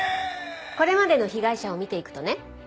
これまでの被害者を見ていくとね